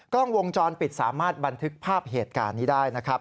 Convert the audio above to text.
กล้องวงจรปิดสามารถบันทึกภาพเหตุการณ์นี้ได้นะครับ